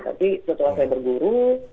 tapi setelah saya berguru